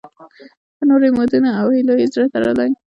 په نورو امیدونو او هیلو یې زړه تړلی.